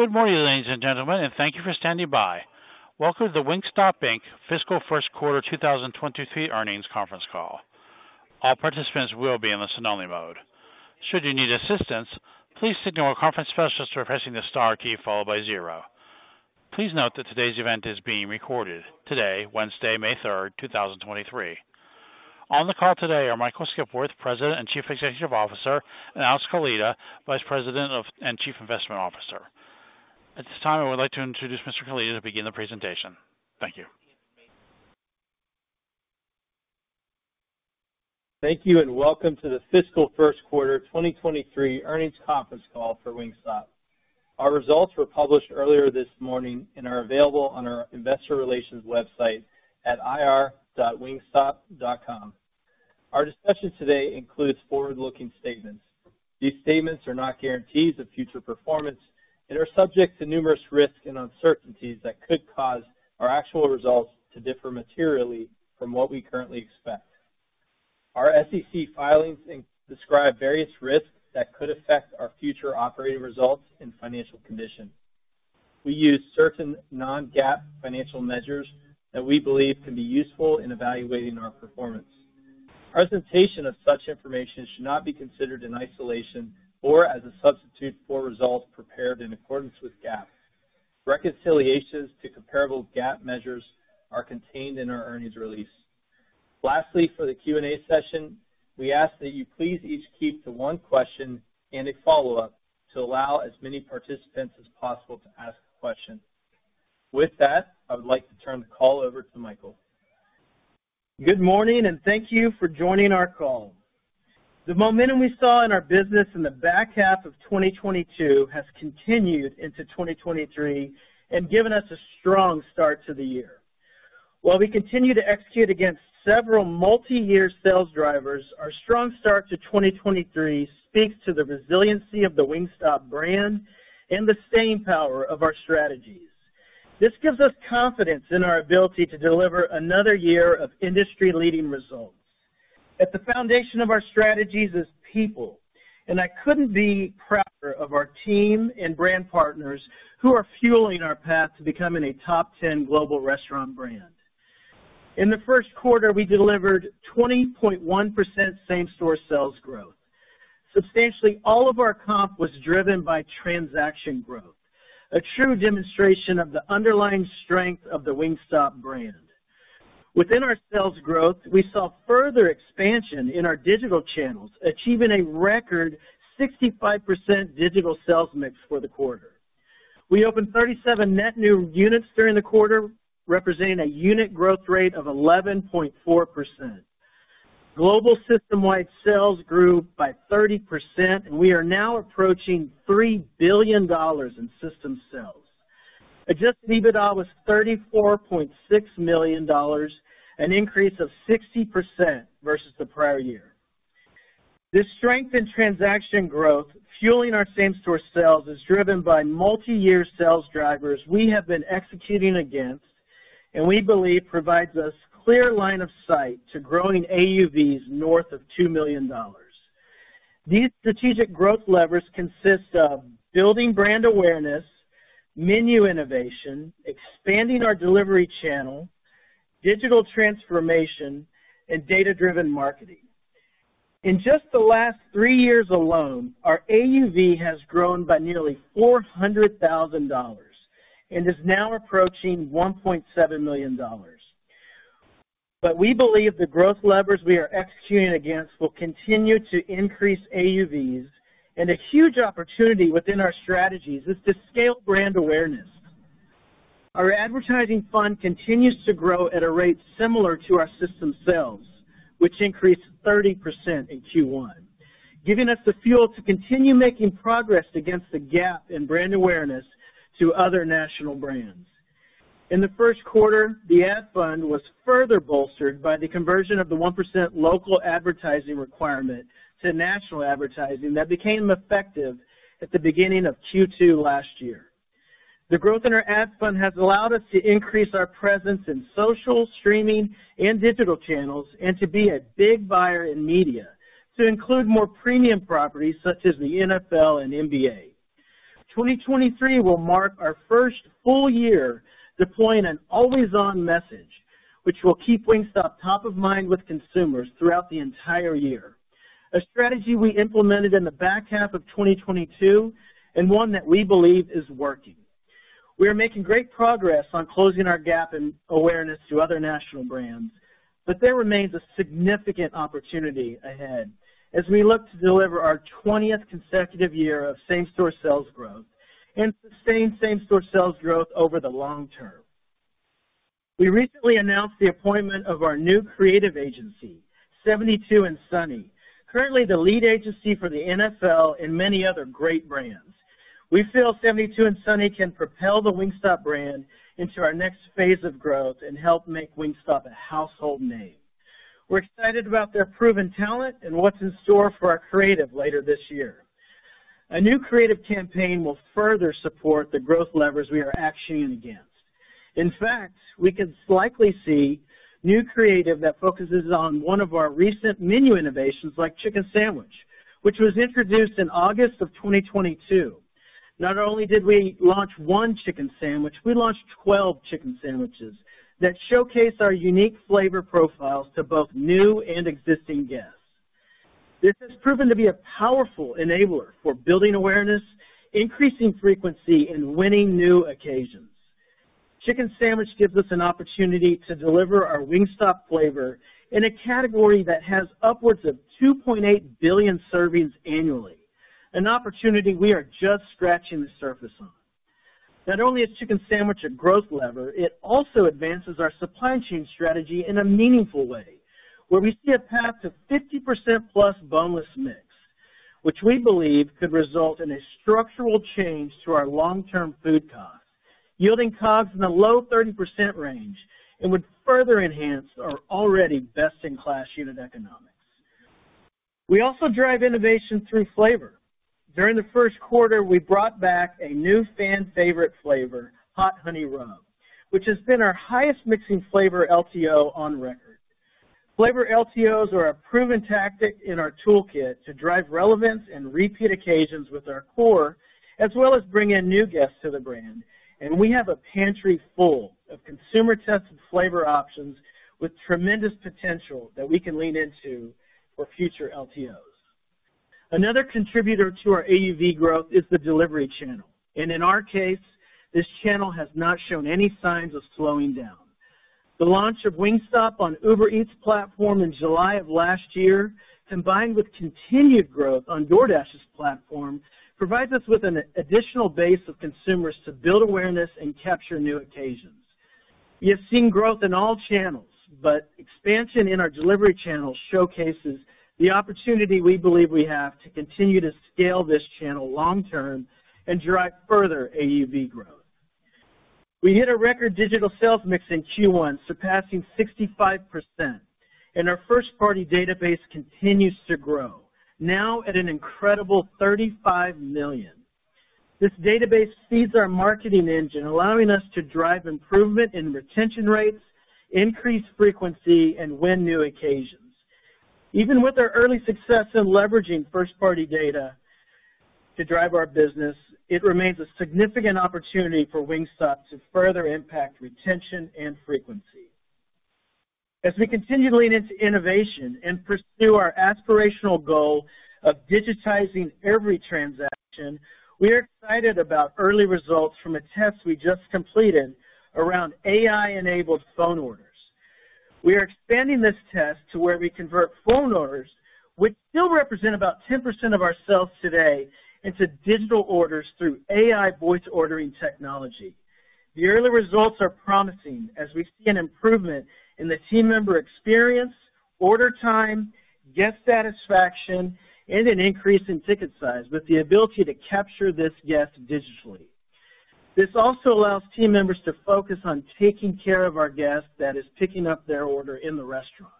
Good morning, ladies and gentlemen. Thank you for standing by. Welcome to the Wingstop Inc. Fiscal First Quarter 2023 Earnings Conference Call. All participants will be in the listen-only mode. Should you need assistance, please signal a conference specialist by pressing the star key followed by zero. Please note that today's event is being recorded today, Wednesday, May 3rd, 2023. On the call today are Michael Skipworth, President and Chief Executive Officer, and Alex Kaleida, Vice President and Chief Financial Officer. At this time, I would like to introduce Mr. Kaleida to begin the presentation. Thank you. Thank you. Welcome to the Fiscal First Quarter 2023 Earnings Conference call for Wingstop. Our results were published earlier this morning and are available on our investor relations website at ir.wingstop.com. Our discussion today includes forward-looking statements. These statements are not guarantees of future performance and are subject to numerous risks and uncertainties that could cause our actual results to differ materially from what we currently expect. Our SEC filings describe various risks that could affect our future operating results and financial conditions. We use certain non-GAAP financial measures that we believe can be useful in evaluating our performance. Presentation of such information should not be considered in isolation or as a substitute for results prepared in accordance with GAAP. Reconciliations to comparable GAAP measures are contained in our earnings release. Lastly, for the Q&A session, we ask that you please each keep to one question and a follow-up to allow as many participants as possible to ask a question. With that, I would like to turn the call over to Michael. Good morning, thank you for joining our call. The momentum we saw in our business in the back half of 2022 has continued into 2023 and given us a strong start to the year. While we continue to execute against several multi-year sales drivers, our strong start to 2023 speaks to the resiliency of the Wingstop brand and the staying power of our strategies. This gives us confidence in our ability to deliver another year of industry-leading results. At the foundation of our strategies is people, and I couldn't be prouder of our team and brand partners who are fueling our path to becoming a top 10 global restaurant brand. In the first quarter, we delivered 20.1% same-store sales growth. Substantially, all of our comp was driven by transaction growth, a true demonstration of the underlying strength of the Wingstop brand. Within our sales growth, we saw further expansion in our digital channels, achieving a record 65% digital sales mix for the quarter. We opened 37 net new units during the quarter, representing a unit growth rate of 11.4%. Global system-wide sales grew by 30%, and we are now approaching $3 billion in system sales. Adjusted EBITDA was $34.6 million, an increase of 60% versus the prior year. This strength in transaction growth fueling our same-store sales is driven by multi-year sales drivers we have been executing against and we believe provides us clear line of sight to growing AUVs north of $2 million. These strategic growth levers consist of building brand awareness, menu innovation, expanding our delivery channel, digital transformation, and data-driven marketing. In just the last 3 years alone, our AUV has grown by nearly $400,000 and is now approaching $1.7 million. We believe the growth levers we are executing against will continue to increase AUVs, and a huge opportunity within our strategies is to scale brand awareness. Our advertising fund continues to grow at a rate similar to our system sales, which increased 30% in Q1, giving us the fuel to continue making progress against the gap in brand awareness to other national brands. In the first quarter, the ad fund was further bolstered by the conversion of the 1% local advertising requirement to national advertising that became effective at the beginning of Q2 last year. The growth in our ad fund has allowed us to increase our presence in social, streaming, and digital channels and to be a big buyer in media to include more premium properties such as the NFL and NBA. 2023 will mark our first full year deploying an always-on message, which will keep Wingstop top of mind with consumers throughout the entire year, a strategy we implemented in the back half of 2022 and one that we believe is working. We are making great progress on closing our gap in awareness to other national brands, but there remains a significant opportunity ahead as we look to deliver our 20th consecutive year of same-store sales growth and sustain same-store sales growth over the long term. We recently announced the appointment of our new creative agency, 72andSunny, currently the lead agency for the NFL and many other great brands. We feel 72andSunny can propel the Wingstop brand into our next phase of growth and help make Wingstop a household name. We're excited about their proven talent and what's in store for our creative later this year. A new creative campaign will further support the growth levers we are actioning against. In fact, we can likely see new creative that focuses on one of our recent menu innovations like Chicken Sandwich, which was introduced in August of 2022. Not only did we launch one Chicken Sandwich, we launched 12 Chicken Sandwiches that showcase our unique flavor profiles to both new and existing guests. This has proven to be a powerful enabler for building awareness, increasing frequency, and winning new occasions. Chicken Sandwich gives us an opportunity to deliver our Wingstop flavor in a category that has upwards of 2.8 billion servings annually, an opportunity we are just scratching the surface on. Not only is Chicken Sandwich a growth lever, it also advances our supply chain strategy in a meaningful way, where we see a path to 50%+ boneless mix, which we believe could result in a structural change to our long-term food costs, yielding COGS in the low 30% range and would further enhance our already best-in-class unit economics. We also drive innovation through flavor. During the first quarter, we brought back a new fan favorite flavor, Hot Honey Rub, which has been our highest mixing flavor LTO on record. Flavor LTOs are a proven tactic in our toolkit to drive relevance and repeat occasions with our core, as well as bring in new guests to the brand. We have a pantry full of consumer-tested flavor options with tremendous potential that we can lean into for future LTOs. Another contributor to our AUV growth is the delivery channel. In our case, this channel has not shown any signs of slowing down. The launch of Wingstop on Uber Eats platform in July of last year, combined with continued growth on DoorDash's platform, provides us with an additional base of consumers to build awareness and capture new occasions. We have seen growth in all channels. Expansion in our delivery channel showcases the opportunity we believe we have to continue to scale this channel long term and drive further AUV growth. We hit a record digital sales mix in Q1, surpassing 65%, and our first-party database continues to grow, now at an incredible 35 million. This database feeds our marketing engine, allowing us to drive improvement in retention rates, increase frequency, and win new occasions. Even with our early success in leveraging first-party data to drive our business, it remains a significant opportunity for Wingstop to further impact retention and frequency. As we continue to lean into innovation and pursue our aspirational goal of digitizing every transaction, we are excited about early results from a test we just completed around AI-enabled phone orders. We are expanding this test to where we convert phone orders, which still represent about 10% of our sales today, into digital orders through AI voice ordering technology. The early results are promising as we see an improvement in the team member experience, order time, guest satisfaction, and an increase in ticket size with the ability to capture this guest digitally. This also allows team members to focus on taking care of our guests that is picking up their order in the restaurant.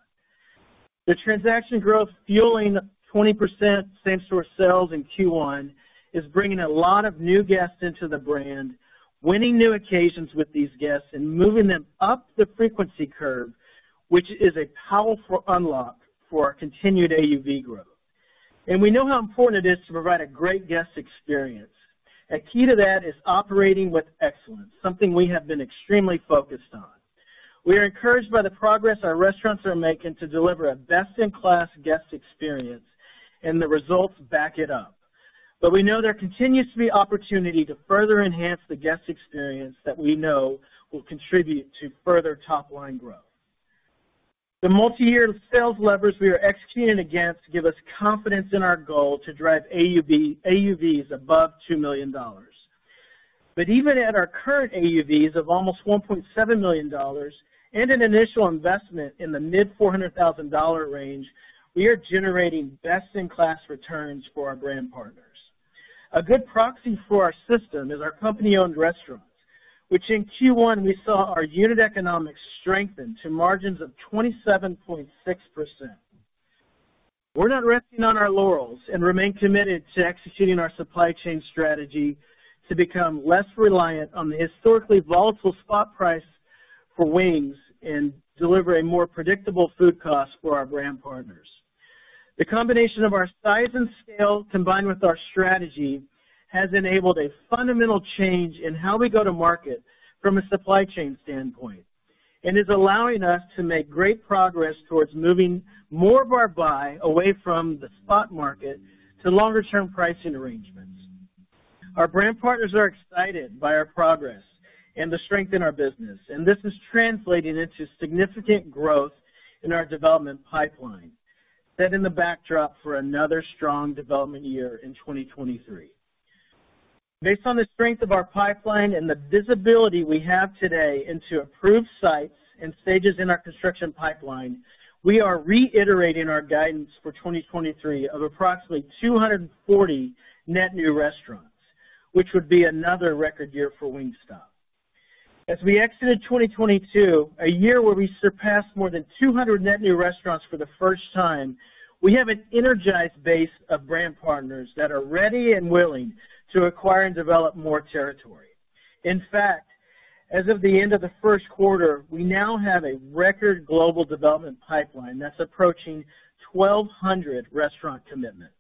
The transaction growth fueling 20% same-store sales in Q1 is bringing a lot of new guests into the brand, winning new occasions with these guests, and moving them up the frequency curve, which is a powerful unlock for our continued AUV growth. We know how important it is to provide a great guest experience. A key to that is operating with excellence, something we have been extremely focused on. We are encouraged by the progress our restaurants are making to deliver a best-in-class guest experience, and the results back it up. We know there continues to be opportunity to further enhance the guest experience that we know will contribute to further top-line growth. The multiyear sales levers we are executing against give us confidence in our goal to drive AUVs above $2 million. Even at our current AUVs of almost $1.7 million and an initial investment in the mid $400,000 range, we are generating best-in-class returns for our brand partners. A good proxy for our system is our company-owned restaurants, which in Q1, we saw our unit economics strengthen to margins of 27.6%. We're not resting on our laurels and remain committed to executing our supply chain strategy to become less reliant on the historically volatile spot price for wings and deliver a more predictable food cost for our brand partners. The combination of our size and scale combined with our strategy has enabled a fundamental change in how we go to market from a supply chain standpoint and is allowing us to make great progress towards moving more of our buy away from the spot market to longer-term pricing arrangements. Our brand partners are excited by our progress and the strength in our business, and this is translating into significant growth in our development pipeline, setting the backdrop for another strong development year in 2023. Based on the strength of our pipeline and the visibility we have today into approved sites and stages in our construction pipeline, we are reiterating our guidance for 2023 of approximately 240 net new restaurants, which would be another record year for Wingstop. As we exited 2022, a year where we surpassed more than 200 net new restaurants for the first time, we have an energized base of brand partners that are ready and willing to acquire and develop more territory. As of the end of the first quarter, we now have a record global development pipeline that's approaching 1,200 restaurant commitments.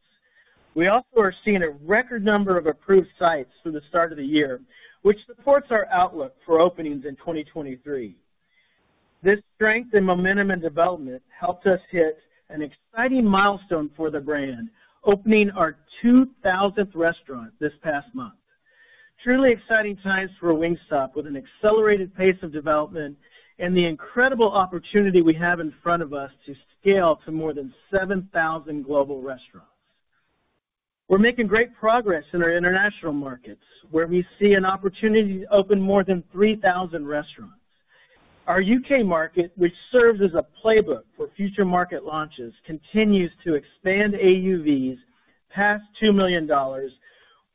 We also are seeing a record number of approved sites through the start of the year, which supports our outlook for openings in 2023. This strength and momentum and development helped us hit an exciting milestone for the brand, opening our 2,000th restaurant this past month. Truly exciting times for Wingstop, with an accelerated pace of development and the incredible opportunity we have in front of us to scale to more than 7,000 global restaurants. We're making great progress in our international markets, where we see an opportunity to open more than 3,000 restaurants. Our U.K. market, which serves as a playbook for future market launches, continues to expand AUVs past $2 million,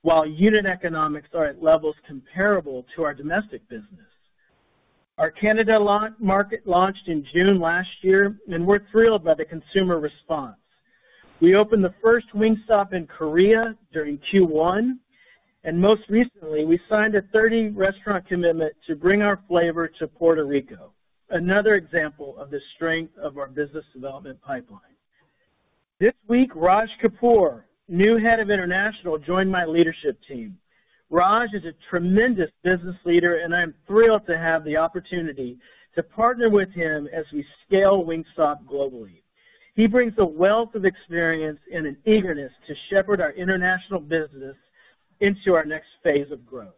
while unit economics are at levels comparable to our domestic business. Our Canada market launched in June last year, and we're thrilled by the consumer response. We opened the first Wingstop in Korea during Q1, and most recently, we signed a 30-restaurant commitment to bring our flavor to Puerto Rico, another example of the strength of our business development pipeline. This week, Raj Kapoor, new head of international, joined my leadership team. Raj is a tremendous business leader, and I'm thrilled to have the opportunity to partner with him as we scale Wingstop globally. He brings a wealth of experience and an eagerness to shepherd our international business into our next phase of growth.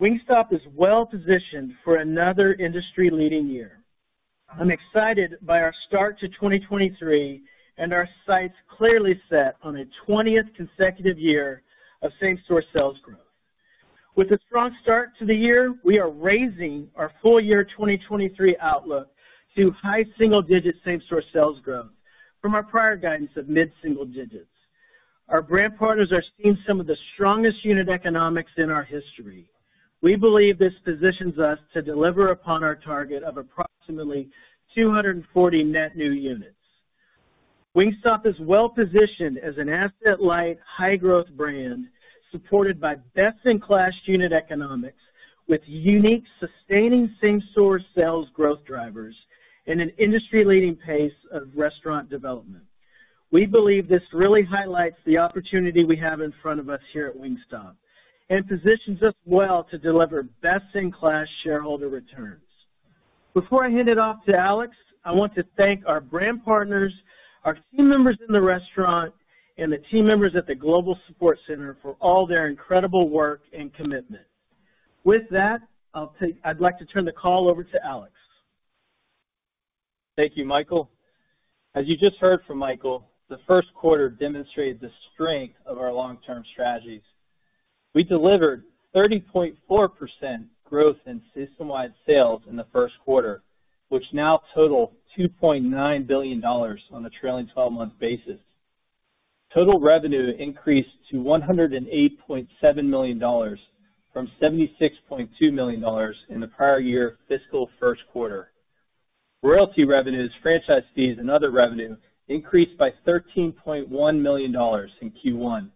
Wingstop is well-positioned for another industry-leading year. I'm excited by our start to 2023, and our sights clearly set on a 20th consecutive year of same-store sales growth. With a strong start to the year, we are raising our full year 2023 outlook to high single-digit same-store sales growth from our prior guidance of mid-single digits. Our brand partners are seeing some of the strongest unit economics in our history. We believe this positions us to deliver upon our target of approximately 240 net new units. Wingstop is well-positioned as an asset-light, high-growth brand supported by best-in-class unit economics with unique, sustaining same-store sales growth drivers and an industry-leading pace of restaurant development. We believe this really highlights the opportunity we have in front of us here at Wingstop and positions us well to deliver best-in-class shareholder returns. Before I hand it off to Alex, I want to thank our brand partners, our team members in the restaurant, and the team members at the Global Support Center for all their incredible work and commitment. With that, I'd like to turn the call over to Alex. Thank you, Michael. As you just heard from Michael, the first quarter demonstrated the strength of our long-term strategies. We delivered 30.4% growth in system-wide sales in the first quarter, which now total $2.9 billion on a trailing twelve-month basis. Total revenue increased to $108.7 million from $76.2 million in the prior year fiscal first quarter. Royalty revenues, franchise fees, and other revenue increased by $13.1 million in Q1,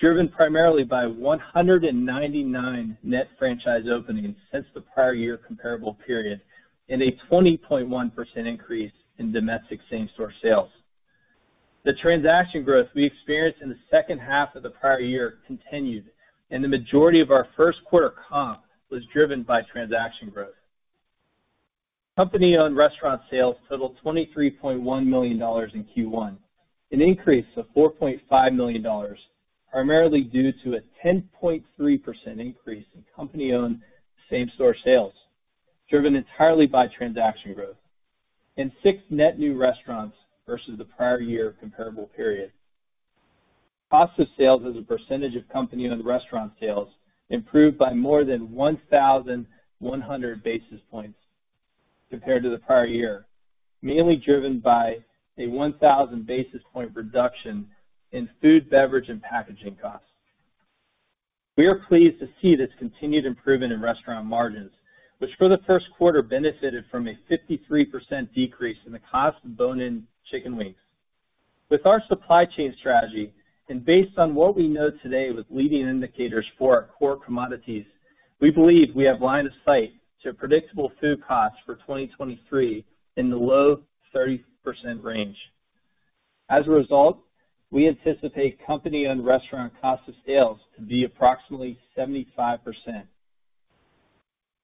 driven primarily by 199 net franchise openings since the prior year comparable period and a 20.1% increase in domestic same-store sales. The transaction growth we experienced in the second half of the prior year continued, and the majority of our first quarter comp was driven by transaction growth. Company-owned restaurant sales totaled $23.1 million in Q1, an increase of $4.5 million, primarily due to a 10.3% increase in company-owned same-store sales, driven entirely by transaction growth in 6 net new restaurants versus the prior year comparable period. Cost of sales as a percentage of company-owned restaurant sales improved by more than 1,100 basis points compared to the prior year, mainly driven by a 1,000 basis point reduction in food, beverage, and packaging costs. We are pleased to see this continued improvement in restaurant margins, which for the first quarter benefited from a 53% decrease in the cost of bone-in chicken wings. With our supply chain strategy and based on what we know today with leading indicators for our core commodities, we believe we have line of sight to predictable food costs for 2023 in the low 30% range. As a result, we anticipate company-owned restaurant cost of sales to be approximately 75%.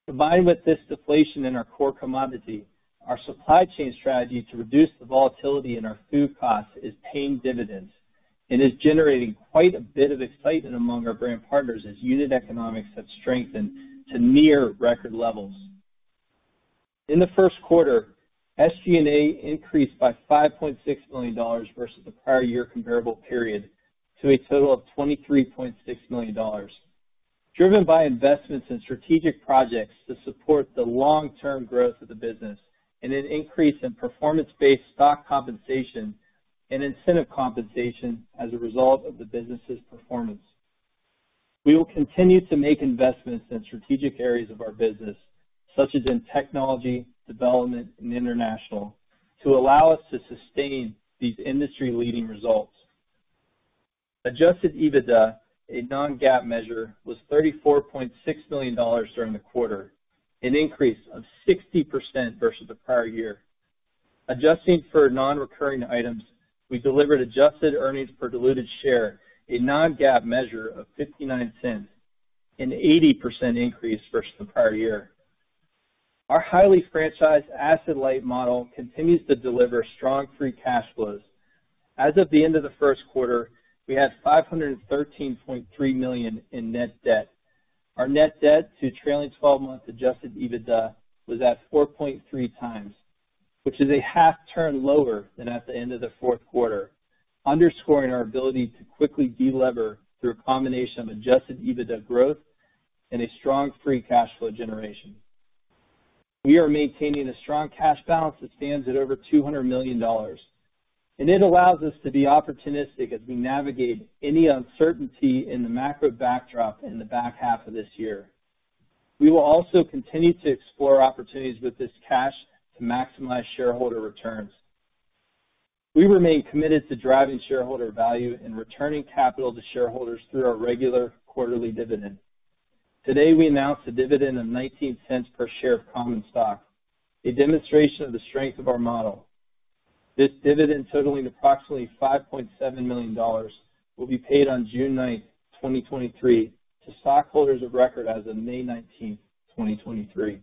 Combined with this deflation in our core commodity, our supply chain strategy to reduce the volatility in our food costs is paying dividends and is generating quite a bit of excitement among our brand partners as unit economics have strengthened to near record levels. In the first quarter, SG&A increased by $5.6 million versus the prior year comparable period to a total of $23.6 million, driven by investments in strategic projects to support the long-term growth of the business and an increase in performance-based stock compensation and incentive compensation as a result of the business's performance. We will continue to make investments in strategic areas of our business, such as in technology, development, and international, to allow us to sustain these industry-leading results. Adjusted EBITDA, a non-GAAP measure, was $34.6 million during the quarter, an increase of 60% versus the prior year. Adjusting for non-recurring items, we delivered adjusted earnings per diluted share, a non-GAAP measure of $0.59, an 80% increase versus the prior year. Our highly franchised asset-light model continues to deliver strong free cash flows. As of the end of the first quarter, we had $513.3 million in net debt. Our net debt to trailing 12 months Adjusted EBITDA was at 4.3 times, which is a half turn lower than at the end of the fourth quarter, underscoring our ability to quickly delever through a combination of Adjusted EBITDA growth and a strong free cash flow generation. We are maintaining a strong cash balance that stands at over $200 million, it allows us to be opportunistic as we navigate any uncertainty in the macro backdrop in the back half of this year. We will also continue to explore opportunities with this cash to maximize shareholder returns. We remain committed to driving shareholder value and returning capital to shareholders through our regular quarterly dividend. Today, we announced a dividend of $0.19 per share of common stock, a demonstration of the strength of our model. This dividend, totaling approximately $5.7 million, will be paid on June 9, 2023 to stockholders of record as of May 19, 2023.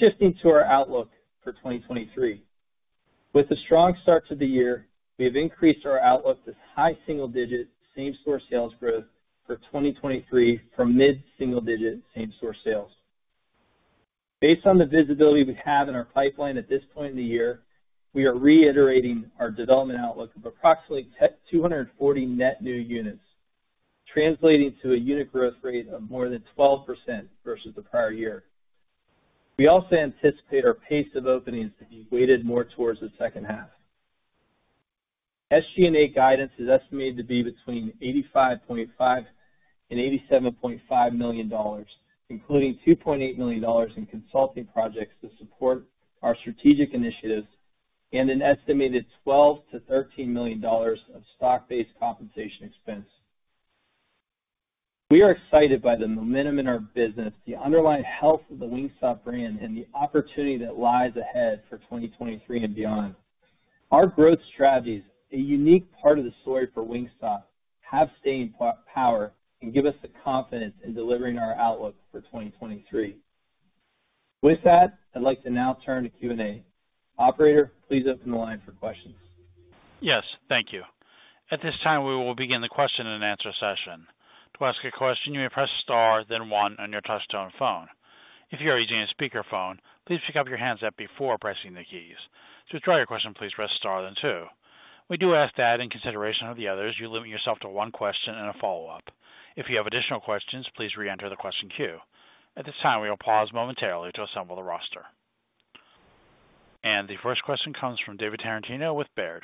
Shifting to our outlook for 2023. With the strong start to the year, we have increased our outlook to high single digit same-store sales growth for 2023 from mid-single digit same-store sales. Based on the visibility we have in our pipeline at this point in the year, we are reiterating our development outlook of approximately 240 net new units, translating to a unit growth rate of more than 12% versus the prior year. We also anticipate our pace of openings to be weighted more towards the second half. SG&A guidance is estimated to be between $85.5 million and $87.5 million, including $2.8 million in consulting projects to support our strategic initiatives and an estimated $12 million-$13 million of stock-based compensation expense. We are excited by the momentum in our business, the underlying health of the Wingstop brand, and the opportunity that lies ahead for 2023 and beyond. Our growth strategies, a unique part of the story for Wingstop, have staying power and give us the confidence in delivering our outlook for 2023. With that, I'd like to now turn to Q&A. Operator, please open the line for questions. Yes. Thank you. At this time, we will begin the question-and-answer session. To ask a question, you may press star, then one on your touchtone phone. If you are using a speakerphone, please pick up your handset before pressing the keys. To withdraw your question, please press star then two. We do ask that in consideration of the others, you limit yourself to one question and a follow-up. If you have additional questions, please re-enter the question queue. At this time, we will pause momentarily to assemble the roster. The first question comes from David Tarantino with Baird.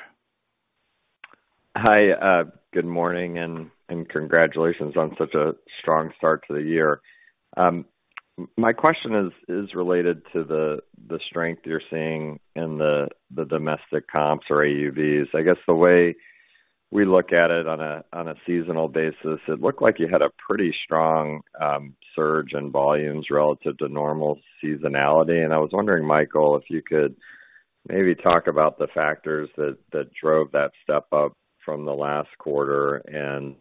Hi, good morning and congratulations on such a strong start to the year. My question is related to the strength you're seeing in the domestic comps or AUVs. I guess the way we look at it on a seasonal basis, it looked like you had a pretty strong surge in volumes relative to normal seasonality. I was wondering, Michael, if you could maybe talk about the factors that drove that step up from the last quarter and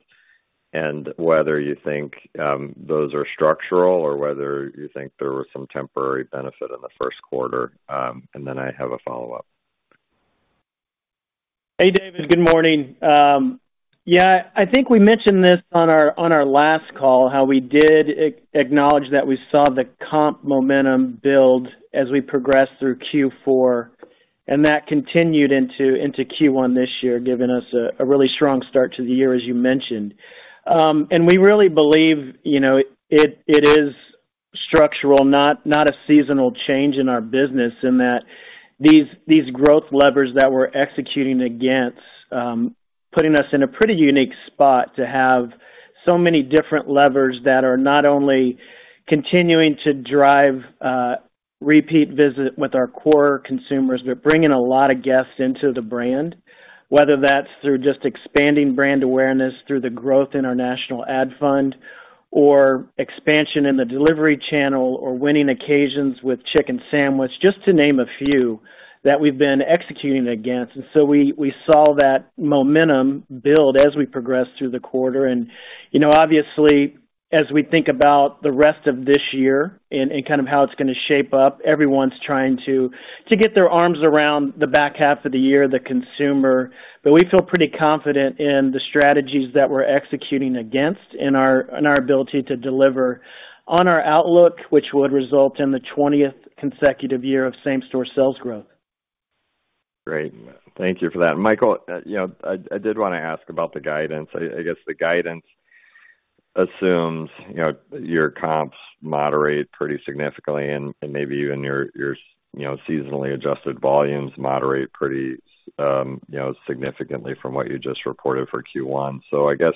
whether you think those are structural or whether you think there was some temporary benefit in the first quarter. I have a follow-up. Hey, David. Good morning. Yeah, I think we mentioned this on our last call, how we did acknowledge that we saw the comp momentum build as we progressed through Q4, and that continued into Q1 this year, giving us a really strong start to the year, as you mentioned. We really believe, you know, it is structural, not a seasonal change in our business, in that these growth levers that we're executing against, putting us in a pretty unique spot to have so many different levers that are not only continuing to drive repeat visit with our core consumers. They're bringing a lot of guests into the brand, whether that's through just expanding brand awareness through the growth in our national ad fund or expansion in the delivery channel or winning occasions with Chicken Sandwich, just to name a few that we've been executing against. We saw that momentum build as we progressed through the quarter. You know, obviously, as we think about the rest of this year and kind of how it's gonna shape up, everyone's trying to get their arms around the back half of the year, the consumer. We feel pretty confident in the strategies that we're executing against and our ability to deliver on our outlook, which would result in the 20th consecutive year of same-store sales growth. Great. Thank you for that. Michael, you know, I did wanna ask about the guidance. I guess the guidance assumes, you know, your comps moderate pretty significantly and maybe even your, you know, seasonally adjusted volumes moderate pretty, you know, significantly from what you just reported for Q1. I guess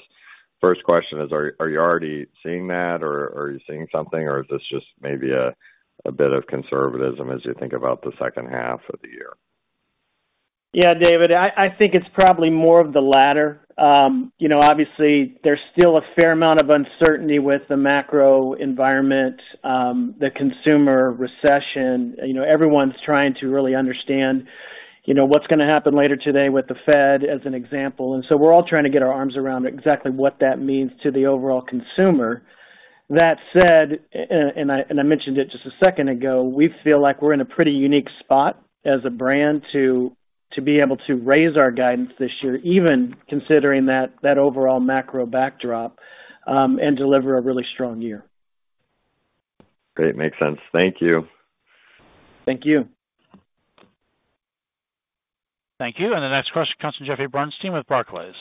First question is, are you already seeing that or are you seeing something or is this just maybe a bit of conservatism as you think about the second half of the year? Yeah, David, I think it's probably more of the latter. you know, obviously, there's still a fair amount of uncertainty with the macro environment, the consumer recession. Everyone's trying to really understand, you know, what's gonna happen later today with the Fed, as an example. We're all trying to get our arms around exactly what that means to the overall consumer. That said, and I mentioned it just a second ago, we feel like we're in a pretty unique spot as a brand to be able to raise our guidance this year, even considering that overall macro backdrop, and deliver a really strong year. Great. Makes sense. Thank you. Thank you. Thank you. The next question comes from Jeffrey Bernstein with Barclays.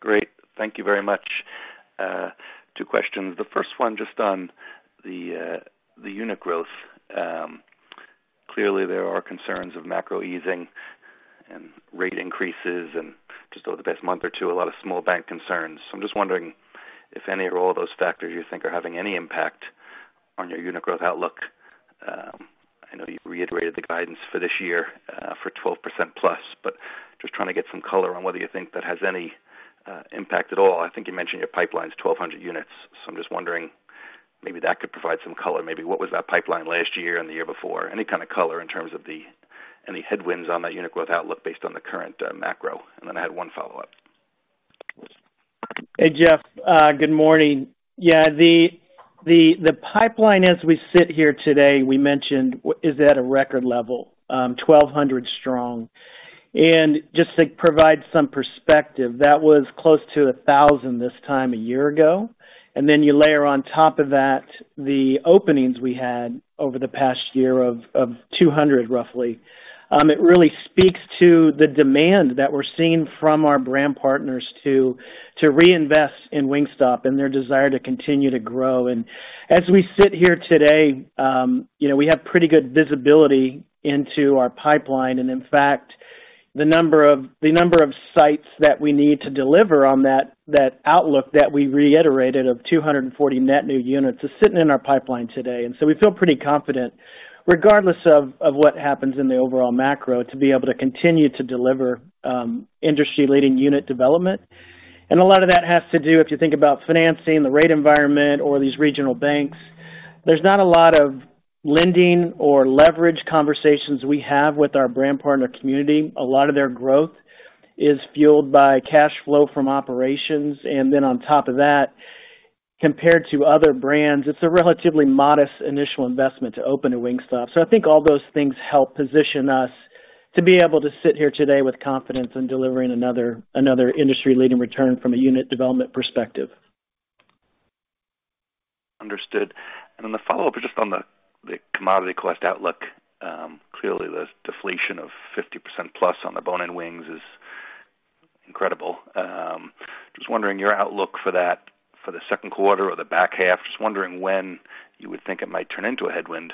Great. Thank you very much. 2 questions. The first one just on the unit growth. Clearly, there are concerns of macro easing and rate increases and just over the past month or two, a lot of small bank concerns. I'm just wondering if any or all of those factors you think are having any impact on your unit growth outlook. I know you've reiterated the guidance for this year, for 12% plus, but just trying to get some color on whether you think that has any impact at all. I think you mentioned your pipeline is 1,200 units. I'm just wondering, maybe that could provide some color. Maybe what was that pipeline last year and the year before? Any kind of color in terms of the any headwinds on that unit growth outlook based on the current macro. I had one follow-up. Hey, Jeff, good morning. The pipeline as we sit here today, we mentioned is at a record level, 1,200 strong. Just to provide some perspective, that was close to 1,000 this time a year ago. You layer on top of that the openings we had over the past year of 200 roughly. It really speaks to the demand that we're seeing from our brand partners to reinvest in Wingstop and their desire to continue to grow. As we sit here today, you know, we have pretty good visibility into our pipeline. In fact, the number of sites that we need to deliver on that outlook that we reiterated of 240 net new units is sitting in our pipeline today. We feel pretty confident regardless of what happens in the overall macro to be able to continue to deliver industry-leading unit development. A lot of that has to do, if you think about financing, the rate environment or these regional banks, there's not a lot of lending or leverage conversations we have with our brand partner community. A lot of their growth is fueled by cash flow from operations. Then on top of that, compared to other brands, it's a relatively modest initial investment to open a Wingstop. I think all those things help position us to be able to sit here today with confidence in delivering another industry-leading return from a unit development perspective. Understood. The follow-up is just on the commodity cost outlook. Clearly, the deflation of 50% plus on the bone-in wings is incredible. Just wondering your outlook for that for the second quarter or the back half. Just wondering when you would think it might turn into a headwind.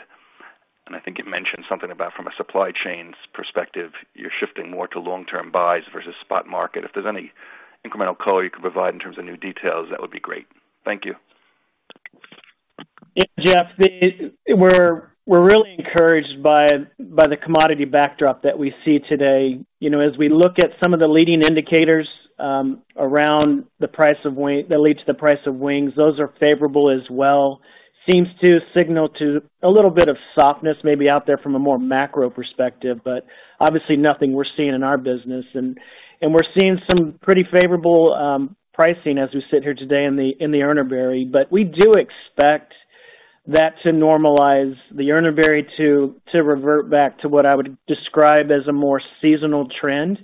I think you mentioned something about from a supply chains perspective, you're shifting more to long-term buys versus spot market. If there's any incremental color you could provide in terms of new details, that would be great. Thank you. Yeah, Jeff. We're really encouraged by the commodity backdrop that we see today. You know, as we look at some of the leading indicators around the price of that lead to the price of wings, those are favorable as well. Seems to signal to a little bit of softness maybe out there from a more macro perspective, but obviously nothing we're seeing in our business. We're seeing some pretty favorable pricing as we sit here today in the Urner Barry. We do expect that to normalize, the Urner Barry to revert back to what I would describe as a more seasonal trend,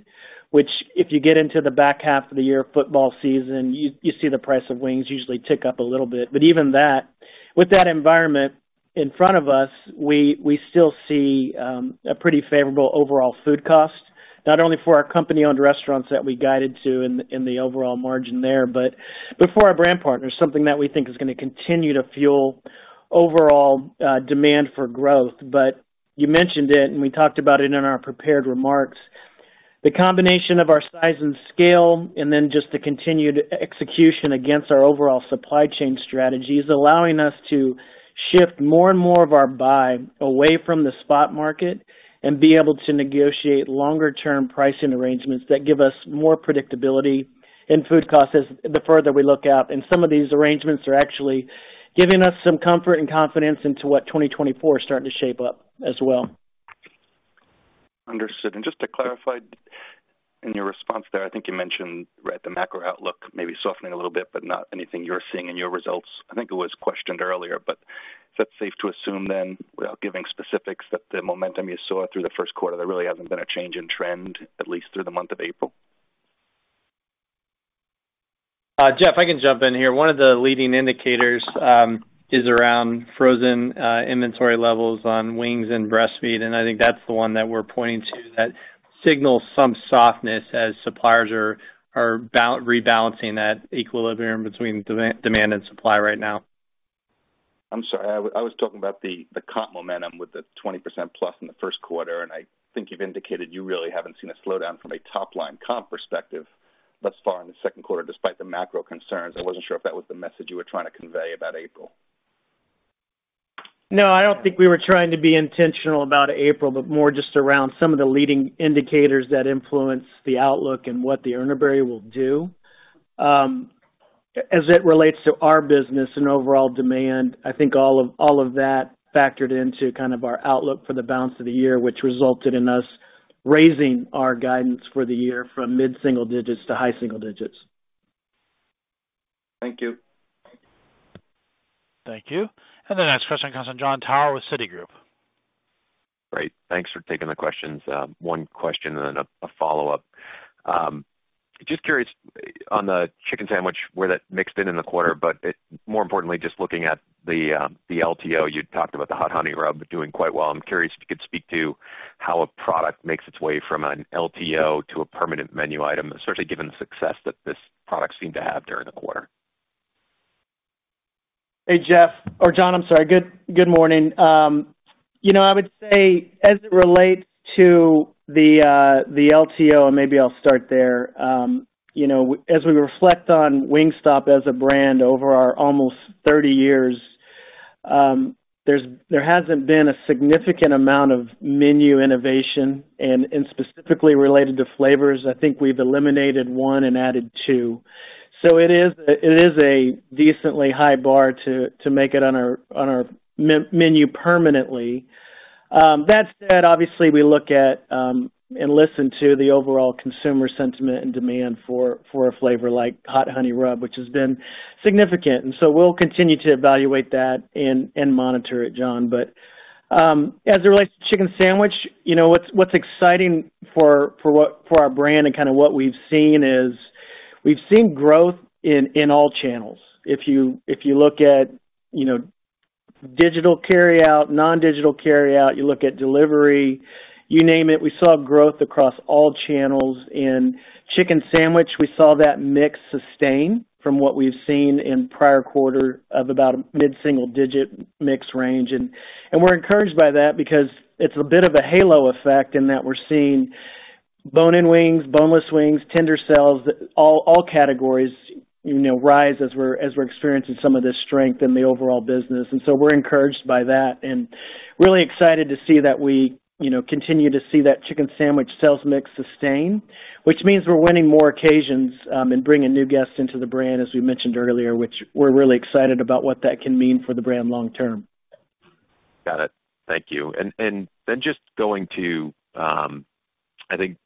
which if you get into the back half of the year, football season, you see the price of wings usually tick up a little bit. Even that, with that environment in front of us, we still see a pretty favorable overall food cost, not only for our company-owned restaurants that we guided to in the overall margin there, but for our brand partners, something that we think is gonna continue to fuel overall demand for growth. You mentioned it, and we talked about it in our prepared remarks. The combination of our size and scale, and then just the continued execution against our overall supply chain strategy is allowing us to shift more and more of our buy away from the spot market and be able to negotiate longer-term pricing arrangements that give us more predictability in food costs as the further we look out. some of these arrangements are actually giving us some comfort and confidence into what 2024 is starting to shape up as well. Understood. Just to clarify, in your response there, I think you mentioned, right, the macro outlook maybe softening a little bit, but not anything you're seeing in your results. I think it was questioned earlier, but is that safe to assume then, without giving specifics, that the momentum you saw through the first quarter, there really hasn't been a change in trend, at least through the month of April? Jeff, I can jump in here. One of the leading indicators is around frozen inventory levels on wings and breast meat. I think that's the one that we're pointing to that signals some softness as suppliers are rebalancing that equilibrium between demand and supply right now. I'm sorry. I was talking about the comp momentum with the 20%+ in the first quarter, and I think you've indicated you really haven't seen a slowdown from a top line comp perspective thus far in the second quarter, despite the macro concerns. I wasn't sure if that was the message you were trying to convey about April. I don't think we were trying to be intentional about April, but more just around some of the leading indicators that influence the outlook and what the Urner Barry will do. As it relates to our business and overall demand, I think all of that factored into kind of our outlook for the balance of the year, which resulted in us raising our guidance for the year from mid-single digits to high single digits. Thank you. Thank you. The next question comes from Jon Tower with Citigroup. Great. Thanks for taking the questions. one question and then a follow-up. Just curious on the Chicken Sandwich where that mixed in in the quarter, more importantly, just looking at the LTO, you'd talked about the Hot Honey Rub doing quite well. I'm curious if you could speak to how a product makes its way from an LTO to a permanent menu item, especially given the success that this product seemed to have during the quarter. Hey, Jeff or Jon, I'm sorry. Good morning. You know, I would say as it relates to the LTO, and maybe I'll start there. You know, as we reflect on Wingstop as a brand over our almost 30 years, there hasn't been a significant amount of menu innovation and specifically related to flavors. I think we've eliminated 1 and added 2. It is a decently high bar to make it on our menu permanently. That said, obviously we look at and listen to the overall consumer sentiment and demand for a flavor like Hot Honey Rub, which has been significant. We'll continue to evaluate that and monitor it, Jon. As it relates to Chicken Sandwich, you know, what's exciting for our brand and kind of what we've seen is we've seen growth in all channels. If you, if you look at, you know, digital carryout, non-digital carryout, you look at delivery, you name it. We saw growth across all channels. In Chicken Sandwich, we saw that mix sustain from what we've seen in prior quarter of about a mid-single digit mix range. And we're encouraged by that because it's a bit of a halo effect in that we're seeing bone-in wings, boneless wings, tender sells, all categories, you know, rise as we're, as we're experiencing some of this strength in the overall business. We're encouraged by that and really excited to see that we, you know, continue to see that Chicken Sandwich sales mix sustain, which means we're winning more occasions and bringing new guests into the brand, as we mentioned earlier, which we're really excited about what that can mean for the brand long term. Got it. Thank you. Just going to, I think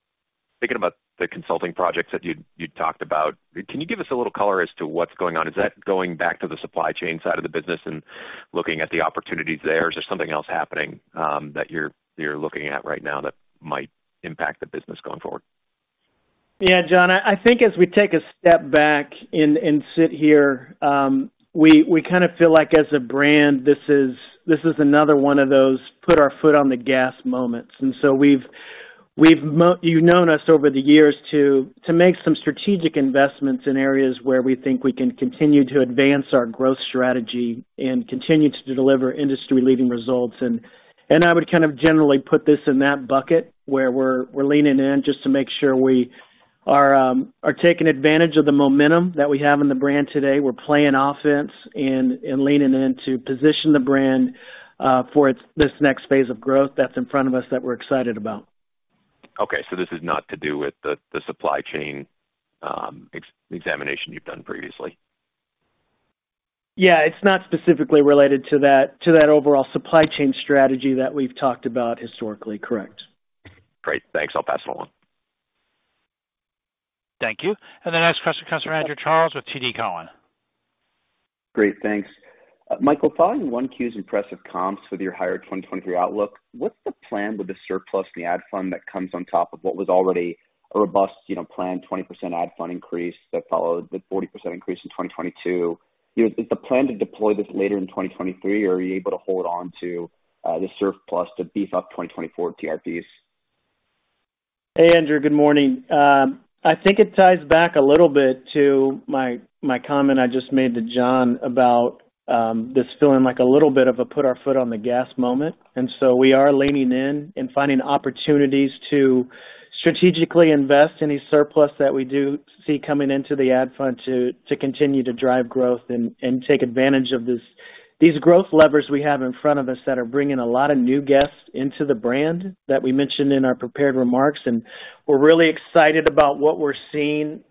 thinking about the consulting projects that you talked about, can you give us a little color as to what's going on? Is that going back to the supply chain side of the business and looking at the opportunities there, or is there something else happening that you're looking at right now that might impact the business going forward? Jon, I think as we take a step back and sit here, we kind of feel like as a brand, this is another one of those put our foot on the gas moments. We've known us over the years to make some strategic investments in areas where we think we can continue to advance our growth strategy and continue to deliver industry-leading results. I would kind of generally put this in that bucket where we're leaning in just to make sure we are taking advantage of the momentum that we have in the brand today. We're playing offense and leaning in to position the brand for this next phase of growth that's in front of us that we're excited about. Okay. This is not to do with the supply chain, examination you've done previously. Yeah. It's not specifically related to that, to that overall supply chain strategy that we've talked about historically. Correct. Great. Thanks. I'll pass it along. Thank you. The next question comes from Andrew Charles with TD Cowen. Great. Thanks. Michael, following 1Q's impressive comps with your higher 2023 outlook, what's the plan with the surplus in the ad fund that comes on top of what was already a robust, you know, planned 20% ad fund increase that followed the 40% increase in 2022? You know, is the plan to deploy this later in 2023 or are you able to hold on to the surplus to beef up 2024 TRPs? Hey, Andrew. Good morning. I think it ties back a little bit to my comment I just made to Jon about, this feeling like a little bit of a put our foot on the gas moment. We are leaning in and finding opportunities to strategically invest any surplus that we do see coming into the ad fund to continue to drive growth and take advantage of these growth levers we have in front of us that are bringing a lot of new guests into the brand that we mentioned in our prepared remarks. We're really excited about what we're seeing,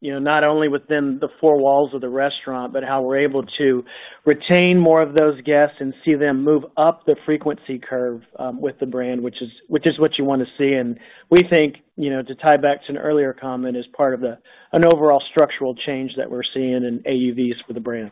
you know, not only within the four walls of the restaurant, but how we're able to retain more of those guests and see them move up the frequency curve, with the brand, which is what you want to see. We think, you know, to tie back to an earlier comment, is part of an overall structural change that we're seeing in AUVs for the brand.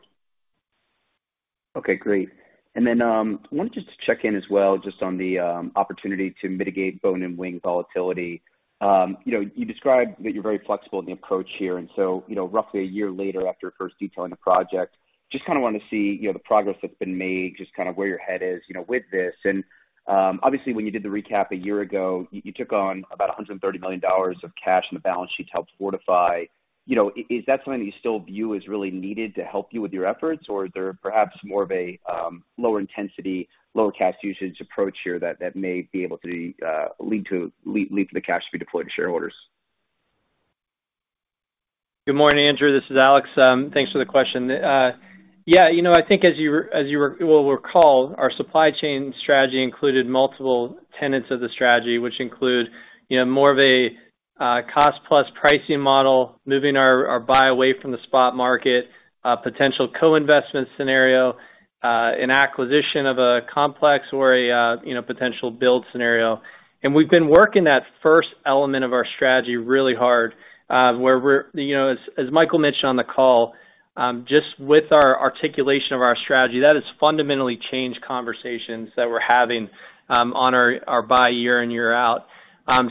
Okay. Great. I wanted just to check in as well just on the opportunity to mitigate bone-in wing volatility. You know, you described that you're very flexible in the approach here. You know, roughly a year later after first detailing the project, just kind of wanted to see, you know, the progress that's been made, just kind of where your head is, you know, with this. Obviously, when you did the recap a year ago, you took on about $130 million of cash on the balance sheet to help fortify. You know, is that something that you still view as really needed to help you with your efforts, or is there perhaps more of a lower intensity, lower cash usage approach here that may be able to lead to the cash to be deployed to shareholders? Good morning, Andrew. This is Alex. Thanks for the question. Yeah, you know, I think as you recall, our supply chain strategy included multiple tenets of the strategy, which include, you know, more of a cost-plus pricing model, moving our buy away from the spot market, potential co-investment scenario, an acquisition of a complex or a, you know, potential build scenario. We've been working that first element of our strategy really hard, you know, as Michael mentioned on the call, just with our articulation of our strategy, that has fundamentally changed conversations that we're having, on our buy year in, year out.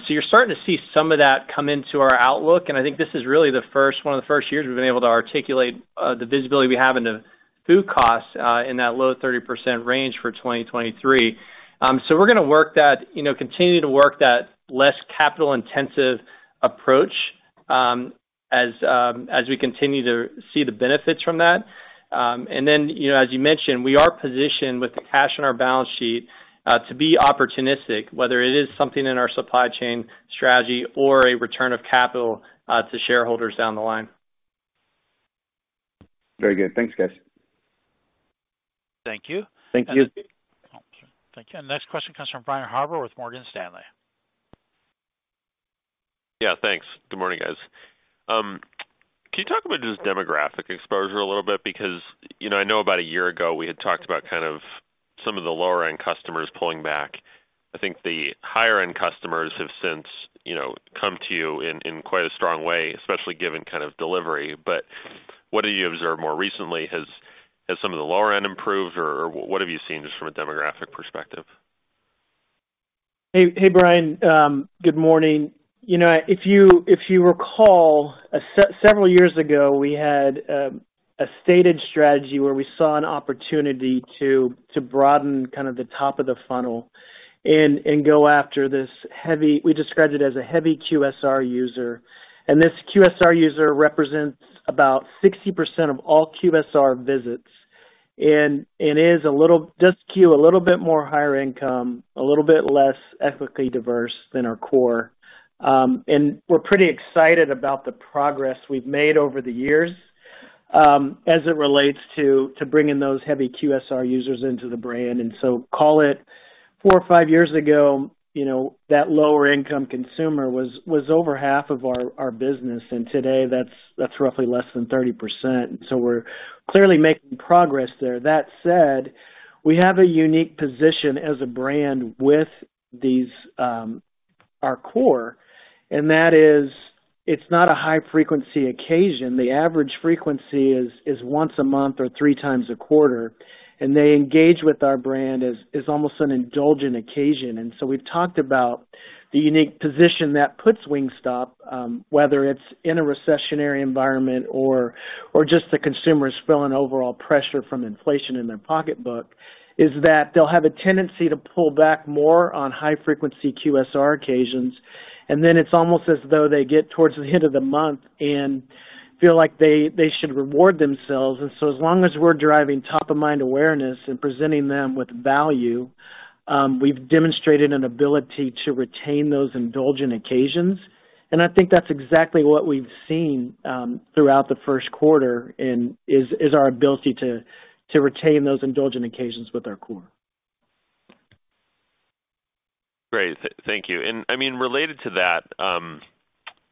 You're starting to see some of that come into our outlook, and I think this is really the first one of the first years we've been able to articulate the visibility we have in the food costs in that low 30% range for 2023. We're gonna work that, you know, continue to work that less capital intensive approach, as we continue to see the benefits from that. Then, you know, as you mentioned, we are positioned with the cash on our balance sheet to be opportunistic, whether it is something in our supply chain strategy or a return of capital to shareholders down the line. Very good. Thanks, guys. Thank you. Thank you. Okay. Thank you. Next question comes from Brian Harbour with Morgan Stanley. Thanks. Good morning, guys. Can you talk about just demographic exposure a little bit? You know, I know about a year ago, we had talked about kind of some of the lower-end customers pulling back. I think the higher-end customers have since, you know, come to you in quite a strong way, especially given kind of delivery. What have you observed more recently? Has some of the lower end improved or what have you seen just from a demographic perspective? Hey, hey, Brian. Good morning. You know, if you recall, several years ago, we had a stated strategy where we saw an opportunity to broaden kind of the top of the funnel and go after this heavy... We described it as a heavy QSR user, and this QSR user represents about 60% of all QSR visits and it does skew a little bit more higher income, a little bit less ethically diverse than our core. We're pretty excited about the progress we've made over the years as it relates to bringing those heavy QSR users into the brand. Call it 4 or 5 years ago, you know, that lower income consumer was over half of our business, and today that's roughly less than 30%. We're clearly making progress there. That said, we have a unique position as a brand with these, our core, and that is it's not a high frequency occasion. The average frequency is once a month or three times a quarter, and they engage with our brand as almost an indulgent occasion. We've talked about the unique position that puts Wingstop, whether it's in a recessionary environment or just the consumer is feeling overall pressure from inflation in their pocketbook, is that they'll have a tendency to pull back more on high frequency QSR occasions. It's almost as though they get towards the end of the month and feel like they should reward themselves. As long as we're driving top of mind awareness and presenting them with value, we've demonstrated an ability to retain those indulgent occasions. I think that's exactly what we've seen, throughout the first quarter and is our ability to retain those indulgent occasions with our core. Great. Thank you. I mean, related to that,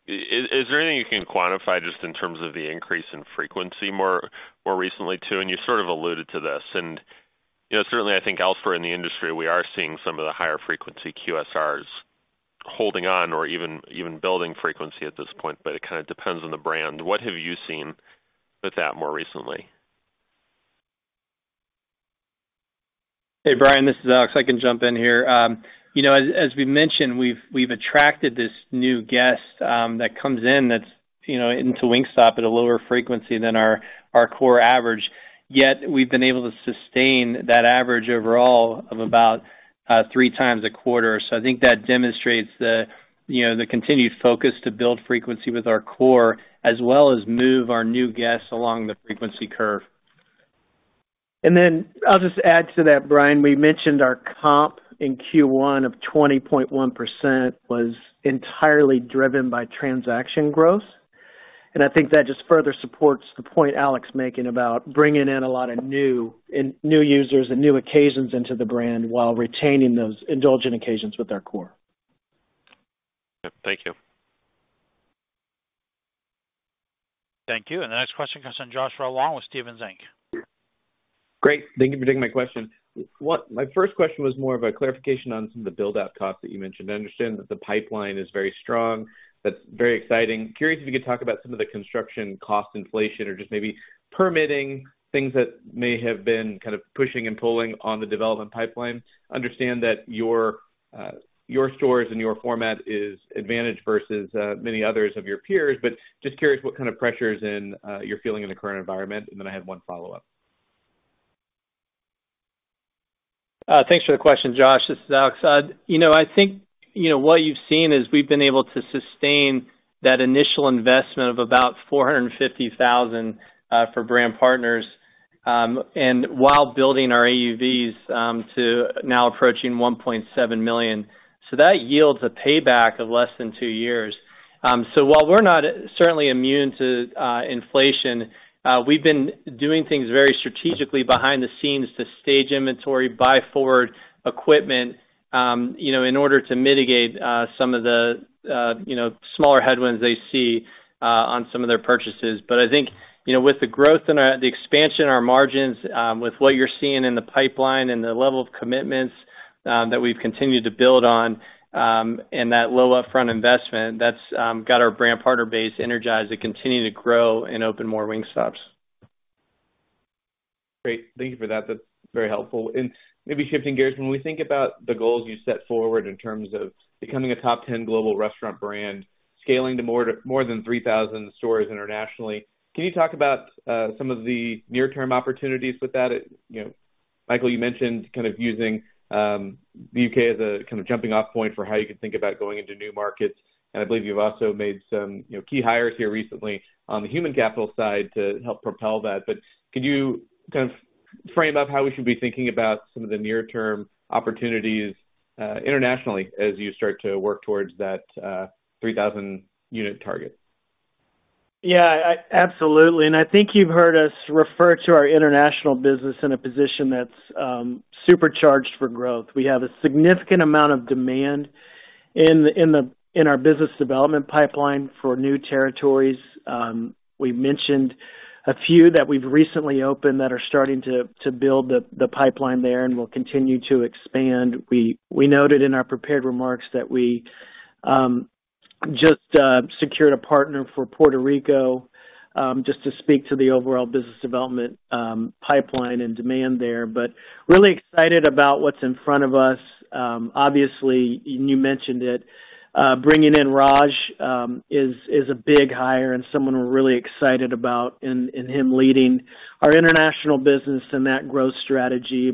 is there anything you can quantify just in terms of the increase in frequency more recently too? You sort of alluded to this. You know, certainly I think elsewhere in the industry, we are seeing some of the higher frequency QSRs holding on or even building frequency at this point, but it kind of depends on the brand. What have you seen with that more recently? Hey, Brian, this is Alex. I can jump in here. You know, as we mentioned, we've attracted this new guest, that comes in that's, you know, into Wingstop at a lower frequency than our core average. Yet we've been able to sustain that average overall of about three times a quarter. I think that demonstrates the, you know, the continued focus to build frequency with our core as well as move our new guests along the frequency curve. I'll just add to that, Brian. We mentioned our comp in Q1 of 20.1% was entirely driven by transaction growth. I think that just further supports the point Alex is making about bringing in a lot of new and new users and new occasions into the brand while retaining those indulgent occasions with our core. Thank you. Thank you. The next question comes from Joshua Long with Stephens Inc.. Great. Thank you for taking my question. My first question was more of a clarification on some of the build-out costs that you mentioned. I understand that the pipeline is very strong. That's very exciting. Curious if you could talk about some of the construction cost inflation or just maybe permitting things that may have been kind of pushing and pulling on the development pipeline. Understand that your stores and your format is advantage versus many others of your peers, but just curious what kind of pressures and you're feeling in the current environment. Then I have one follow-up. Thanks for the question, Josh. This is Alex. you know, I think, you know, what you've seen is we've been able to sustain that initial investment of about $450,000 for brand partners, and while building our AUVs to now approaching $1.7 million. That yields a payback of less than 2 years. While we're not certainly immune to inflation, we've been doing things very strategically behind the scenes to stage inventory, buy forward equipment, you know, in order to mitigate some of the, you know, smaller headwinds they see on some of their purchases. I think, you know, with the growth and the expansion in our margins, with what you're seeing in the pipeline and the level of commitments, that we've continued to build on, and that low upfront investment, that's got our brand partner base energized to continue to grow and open more Wingstops. Great. Thank you for that. That's very helpful. Maybe shifting gears, when we think about the goals you set forward in terms of becoming a top 10 global restaurant brand, scaling to more than 3,000 stores internationally, can you talk about some of the near-term opportunities with that? You know, Michael, you mentioned kind of using the U.K. as a kind of jumping off point for how you can think about going into new markets. I believe you've also made some, you know, key hires here recently on the human capital side to help propel that. Could you kind of frame up how we should be thinking about some of the near-term opportunities internationally as you start to work towards that 3,000 unit target? Yeah, absolutely. I think you've heard us refer to our international business in a position that's supercharged for growth. We have a significant amount of demand in the, in our business development pipeline for new territories. We've mentioned a few that we've recently opened that are starting to build the pipeline there and will continue to expand. We noted in our prepared remarks that we just secured a partner for Puerto Rico, just to speak to the overall business development pipeline and demand there. Really excited about what's in front of us. Obviously, you mentioned it, bringing in Raj, is a big hire and someone we're really excited about in him leading our international business and that growth strategy.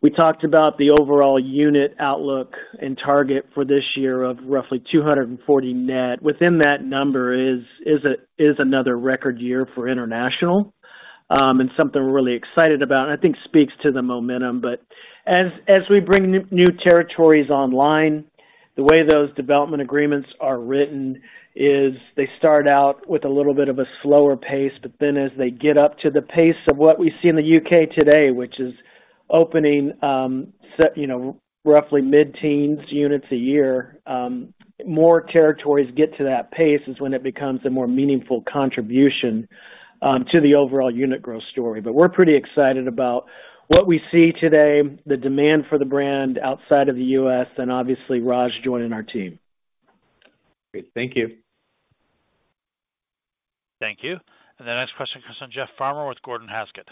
We talked about the overall unit outlook and target for this year of roughly 240 net. Within that number is another record year for international, and something we're really excited about, and I think speaks to the momentum. As we bring new territories online, the way those development agreements are written is they start out with a little bit of a slower pace, but then as they get up to the pace of what we see in the U.K. today, which is opening, you know, roughly mid-teens units a year, more territories get to that pace is when it becomes a more meaningful contribution to the overall unit growth story. We're pretty excited about what we see today, the demand for the brand outside of the U.S., and obviously Raj joining our team. Great. Thank you. Thank you. The next question comes from Jeff Farmer with Gordon Haskett.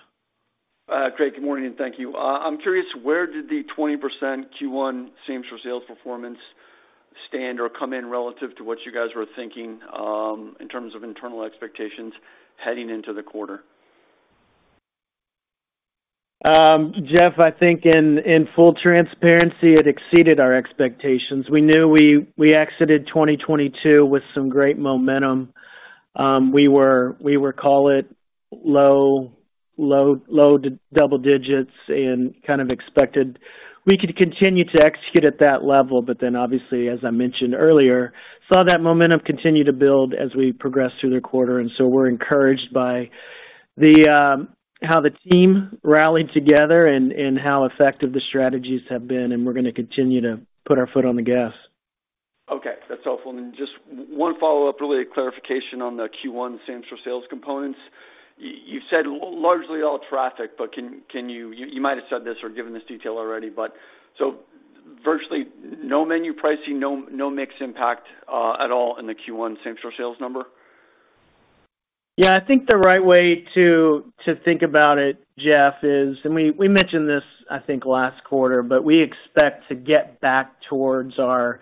Craig, good morning, and thank you. I'm curious, where did the 20% Q1 same-store sales performance stand or come in relative to what you guys were thinking, in terms of internal expectations heading into the quarter? Jeff, I think in full transparency, it exceeded our expectations. We knew we exited 2022 with some great momentum. We were, call it low, low, low double digits and kind of expected we could continue to execute at that level. Obviously, as I mentioned earlier, saw that momentum continue to build as we progress through the quarter. We're encouraged by the how the team rallied together and how effective the strategies have been, and we're gonna continue to put our foot on the gas. Okay, that's helpful. Just one follow-up, really a clarification on the Q1 same-store sales components. You said largely all traffic, but you might have said this or given this detail already, but so virtually no menu pricing, no mix impact at all in the Q1 same-store sales number? I think the right way to think about it, Jeff Farmer, is we mentioned this, I think, last quarter, we expect to get back towards our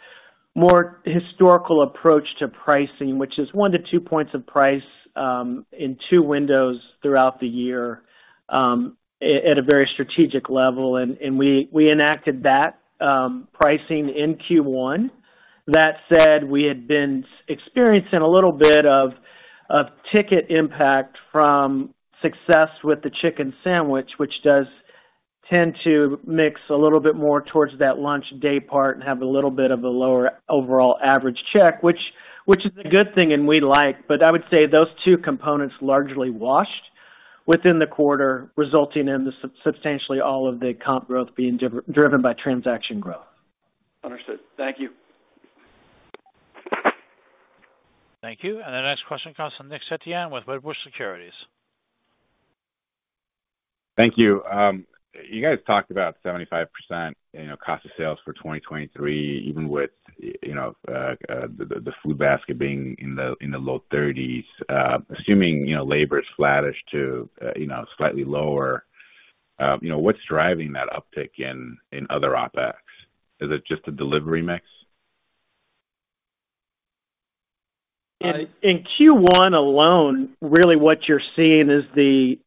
more historical approach to pricing, which is 1 to 2 points of price in two windows throughout the year at a very strategic level. We enacted that pricing in Q1. That said, we had been experiencing a little bit of ticket impact from success with the Chicken Sandwich, which does tend to mix a little bit more towards that lunch day part and have a little bit of a lower overall average check, which is a good thing and we like. I would say those two components largely washed within the quarter, resulting in substantially all of the comp growth being driven by transaction growth. Understood. Thank you. Thank you. The next question comes from Nick Setyan with Wedbush Securities. Thank you. You guys talked about 75%, you know, cost of sales for 2023, even with, you know, the food basket being in the low 30s. Assuming, you know, labor is flattish to, you know, slightly lower, you know, what's driving that uptick in other OpEx? Is it just a delivery mix? In Q1 alone, really what you're seeing is the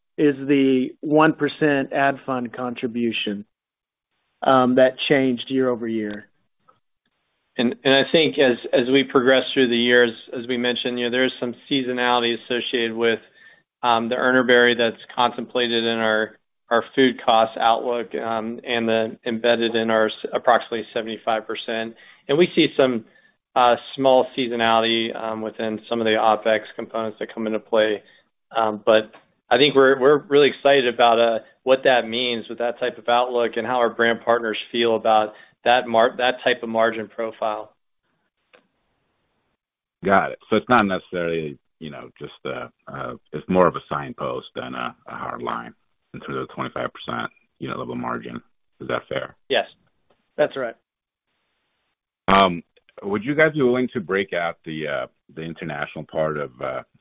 1% ad fund contribution that changed year-over-year. I think as we progress through the years, as we mentioned, you know, there is some seasonality associated with the Urner Barry that's contemplated in our food cost outlook, and then embedded in our approximately 75%. We see some small seasonality within some of the OpEx components that come into play. But I think we're really excited about what that means with that type of outlook and how our brand partners feel about that type of margin profile. Got it. It's not necessarily, you know, it's more of a signpost than a hard line in terms of the 25%, you know, level margin. Is that fair? Yes. That's right. Would you guys be willing to break out the international part of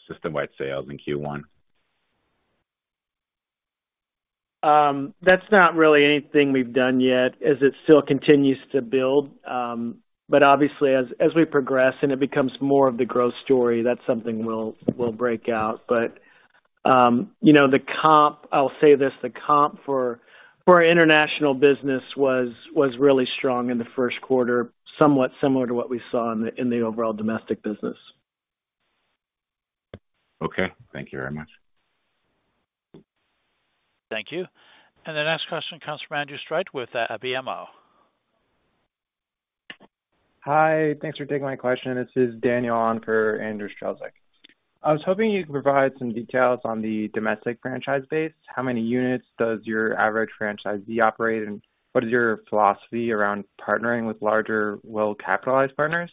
system-wide sales in Q1? That's not really anything we've done yet as it still continues to build. Obviously as we progress and it becomes more of the growth story, that's something we'll break out. You know, I'll say this, the comp for our international business was really strong in the first quarter, somewhat similar to what we saw in the overall domestic business. Okay. Thank you very much. Thank you. The next question comes from Andrew Strelzik with BMO. Hi, thanks for taking my question. This is Daniel on for Andrew Strelzik. I was hoping you could provide some details on the domestic franchise base. How many units does your average franchisee operate, and what is your philosophy around partnering with larger, well-capitalized partners?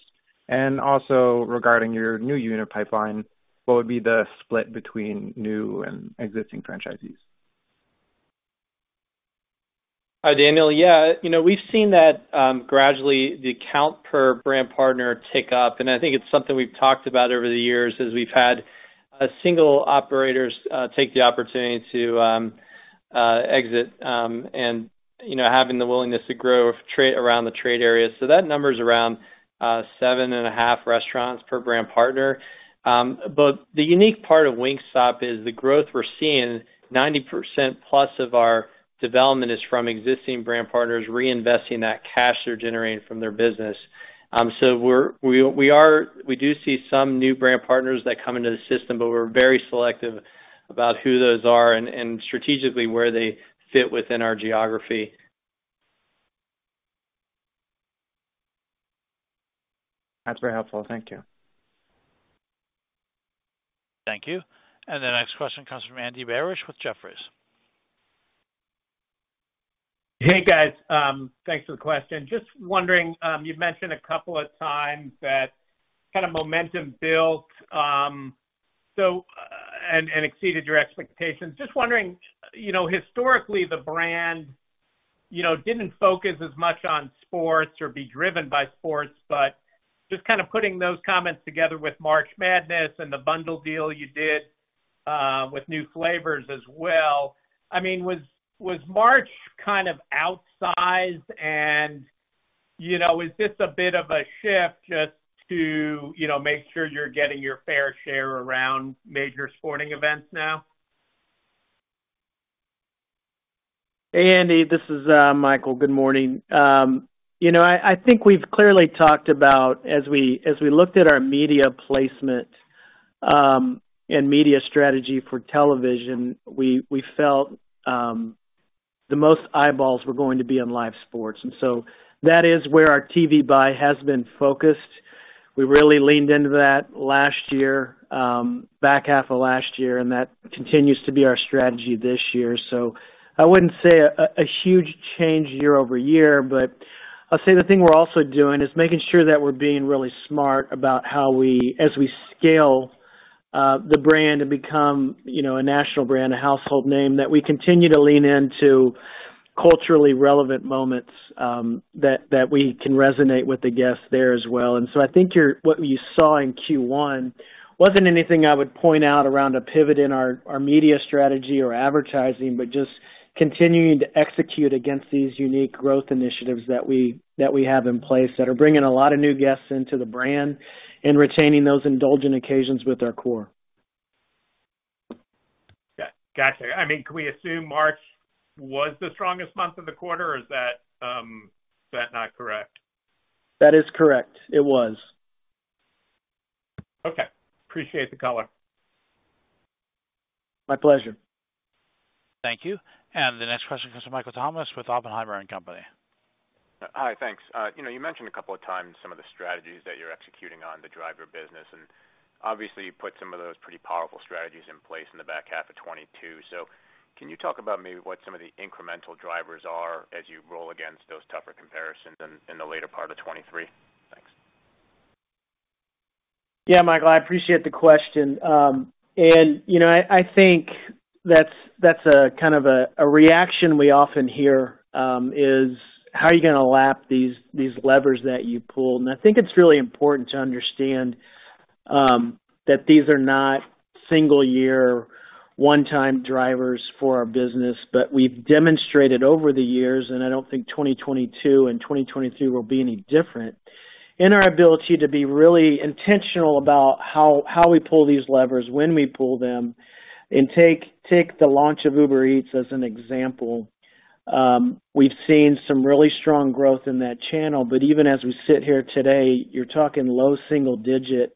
Also regarding your new unit pipeline, what would be the split between new and existing franchisees? Hi, Daniel. Yeah. You know, we've seen that gradually the count per brand partner tick up, and I think it's something we've talked about over the years as we've had single operators take the opportunity to exit and, you know, having the willingness to grow around the trade areas. That number is around seven and a half restaurants per brand partner. The unique part of Wingstop is the growth we're seeing, 90% plus of our development is from existing brand partners reinvesting that cash they're generating from their business. We do see some new brand partners that come into the system, but we're very selective about who those are and strategically where they fit within our geography. That's very helpful. Thank you. Thank you. The next question comes from Andy Barish with Jefferies. Hey, guys. Thanks for the question. Just wondering, you've mentioned a couple of times that kind of momentum built and exceeded your expectations. Just wondering, you know, historically, the brand, you know, didn't focus as much on sports or be driven by sports, but just kind of putting those comments together with March Madness and the bundle deal you did with new flavors as well. Was March kind of outsized and, you know, is this a bit of a shift just to, you know, make sure you're getting your fair share around major sporting events now? Hey, Andy, this is Michael. Good morning. You know, I think we've clearly talked about as we, as we looked at our media placement and media strategy for television, we felt the most eyeballs were going to be on live sports, and so that is where our TV buy has been focused. We really leaned into that last year, back half of last year, and that continues to be our strategy this year. I wouldn't say a huge change year-over-year, but I'll say the thing we're also doing is making sure that we're being really smart about how we as we scale the brand and become, you know, a national brand, a household name, that we continue to lean into culturally relevant moments that we can resonate with the guests there as well. I think what you saw in Q1 wasn't anything I would point out around a pivot in our media strategy or advertising, but just continuing to execute against these unique growth initiatives that we have in place that are bringing a lot of new guests into the brand and retaining those indulgent occasions with our core. Got you. I mean, can we assume March was the strongest month of the quarter, or is that not correct? That is correct. It was. Okay. Appreciate the color. My pleasure. Thank you. The next question comes from Michael Tamas with Oppenheimer & Co. Inc. Hi. Thanks. you know, you mentioned a couple of times some of the strategies that you're executing on to drive your business, and obviously you put some of those pretty powerful strategies in place in the back half of 2022. Can you talk about maybe what some of the incremental drivers are as you roll against those tougher comparisons in the later part of 2023? Thanks. Yeah, Michael, I appreciate the question. You know, I think that's a kind of a reaction we often hear, is how are you gonna lap these levers that you pull? I think it's really important to understand that these are not single year, one-time drivers for our business. We've demonstrated over the years, and I don't think 2022 and 2023 will be any different, in our ability to be really intentional about how we pull these levers, when we pull them. Take the launch of Uber Eats as an example. We've seen some really strong growth in that channel, but even as we sit here today, you're talking low single digit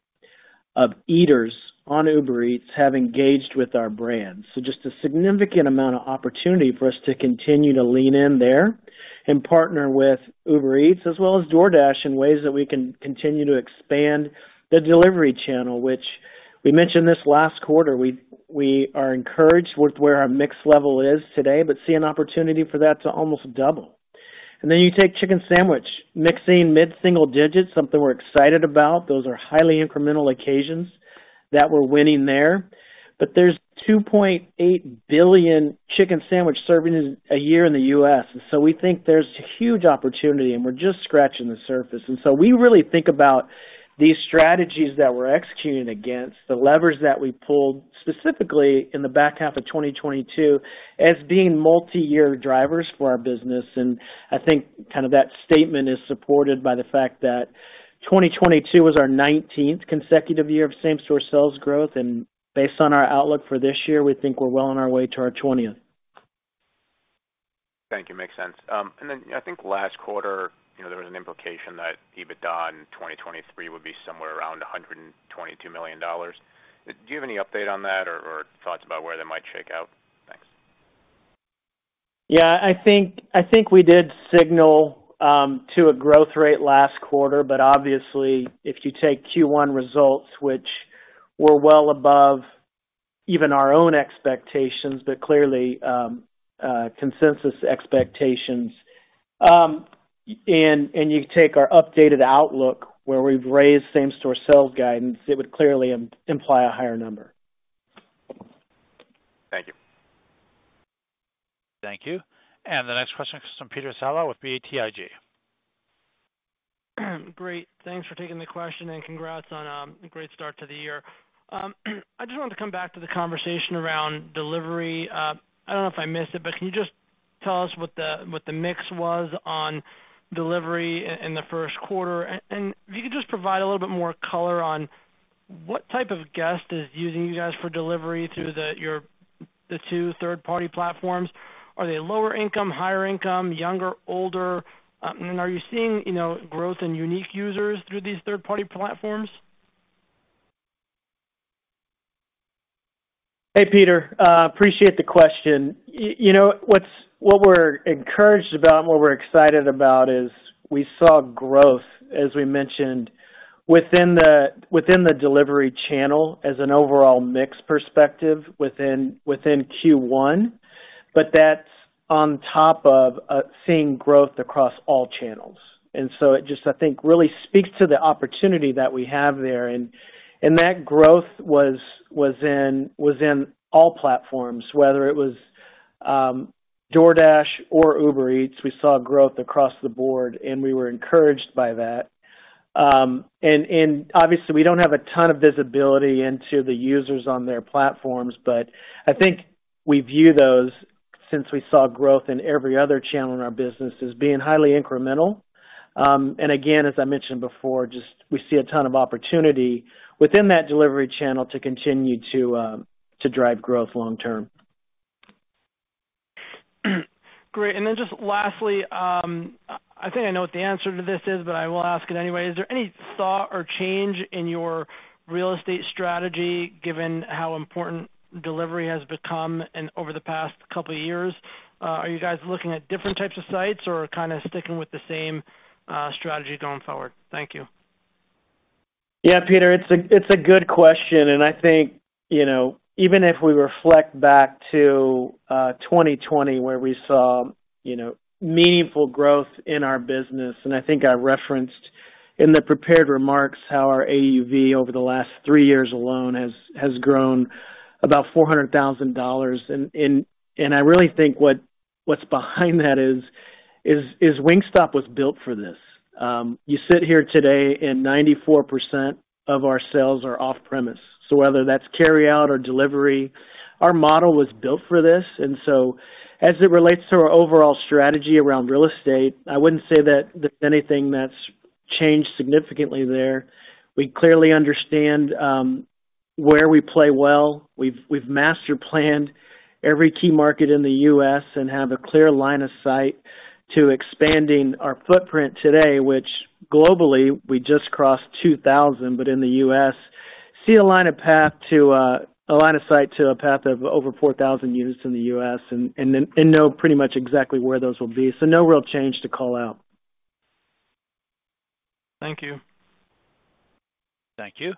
of eaters on Uber Eats have engaged with our brand. Just a significant amount of opportunity for us to continue to lean in there and partner with Uber Eats as well as DoorDash in ways that we can continue to expand the delivery channel, which we mentioned this last quarter. We are encouraged with where our mix level is today, but see an opportunity for that to almost double. You take Chicken Sandwich mixing mid-single digits, something we're excited about. Those are highly incremental occasions that we're winning there. There's $2.8 billion Chicken Sandwich servings a year in the U.S., we think there's huge opportunity, and we're just scratching the surface. We really think about these strategies that we're executing against, the levers that we pulled specifically in the back half of 2022 as being multi-year drivers for our business. I think kind of that statement is supported by the fact that 2022 was our 19th consecutive year of same-store sales growth. Based on our outlook for this year, we think we're well on our way to our 20th. Thank you. Makes sense. Then I think last quarter, you know, there was an implication that EBITDA in 2023 would be somewhere around $122 million. Do you have any update on that or thoughts about where that might shake out? Thanks. I think we did signal to a growth rate last quarter, but obviously if you take Q1 results, which were well above even our own expectations, but clearly consensus expectations, and you take our updated outlook where we've raised same-store sales guidance, it would clearly imply a higher number. Thank you. Thank you. The next question comes from Peter Saleh with BTIG. Great. Thanks for taking the question, and congrats on a great start to the year. I just wanted to come back to the conversation around delivery. I don't know if I missed it, but can you just tell us what the mix was on delivery in the first quarter? If you could just provide a little bit more color on what type of guest is using you guys for delivery through the two third-party platforms. Are they lower income, higher income, younger, older? Are you seeing, you know, growth in unique users through these third-party platforms? Hey, Peter, appreciate the question. You know, what we're encouraged about and what we're excited about is we saw growth, as we mentioned, within the delivery channel as an overall mix perspective within Q1, but that's on top of seeing growth across all channels. It just, I think, really speaks to the opportunity that we have there. That growth was in all platforms, whether it was DoorDash or Uber Eats, we saw growth across the board, and we were encouraged by that. Obviously, we don't have a ton of visibility into the users on their platforms, but I think we view those, since we saw growth in every other channel in our business, as being highly incremental. Again, as I mentioned before, just we see a ton of opportunity within that delivery channel to continue to drive growth long term. Great. Just lastly, I think I know what the answer to this is, I will ask it anyway. Is there any thought or change in your real estate strategy given how important delivery has become over the past 2 years? Are you guys looking at different types of sites or kinda sticking with the same strategy going forward? Thank you. Yeah, Peter, it's a good question, I think, you know, even if we reflect back to 2020 where we saw, you know, meaningful growth in our business, I think I referenced in the prepared remarks how our AUV over the last 3 years alone has grown about $400,000. I really think what's behind that is Wingstop was built for this. You sit here today 94% of our sales are off-premise. Whether that's carry out or delivery, our model was built for this. As it relates to our overall strategy around real estate, I wouldn't say that there's anything that's changed significantly there. We clearly understand where we play well. We've master planned every key market in the U.S. and have a clear line of sight to expanding our footprint today, which globally we just crossed 2,000, but in the U.S. see a line of path to a line of sight to a path of over 4,000 units in the U.S. and know pretty much exactly where those will be. No real change to call out. Thank you. Thank you.